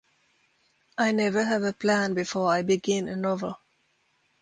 I never have a plan before I begin a novel.